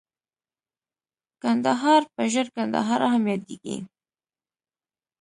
کندهار په ژړ کندهار هم ياديږي.